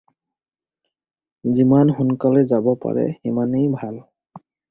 যিমান সোনকালে যাব পাৰে সিমানেই ভাল।